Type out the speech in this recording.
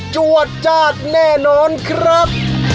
จวดจาดแน่นอนครับ